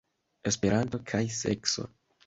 Esperanto kaj sekso.